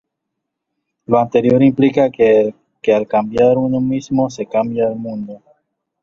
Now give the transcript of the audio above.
Lo anterior implica que al cambiar uno mismo, se cambia el mundo.